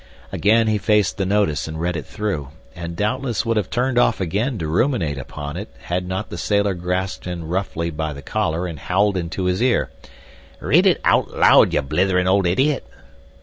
Again he faced the notice and read it through, and doubtless would have turned off again to ruminate upon it had not the sailor grasped him roughly by the collar and howled into his ear. "Read it out loud, you blithering old idiot."